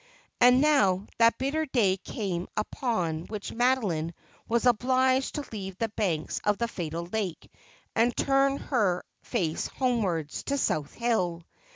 And now that bitter day came upon which Madoline was obliged to leave the banks of the fatal lake, and turn her sad face homewards, to South Hill.